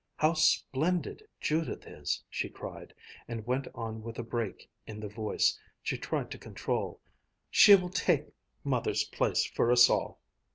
"How splendid Judith is!" she cried, and went on with a break in the voice she tried to control: "She will take Mother's place for us all!"